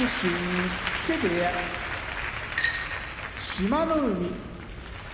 志摩ノ海